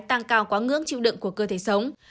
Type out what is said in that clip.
tăng cao quá ngưỡng chịu đựng của cơ thể sống